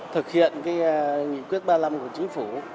thực hiện nghị quyết ba mươi năm của chính phủ